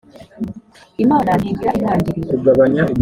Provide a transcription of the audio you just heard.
imana ntigira intangiriro